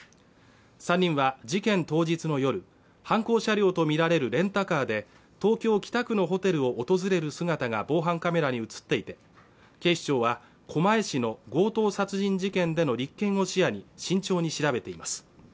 ３人は事件当日の夜犯行車両と見られるレンタカーで東京・北区のホテルを訪れる姿が防犯カメラに映っていて警視庁は狛江市の強盗殺人事件での立件を視野に慎重に調べています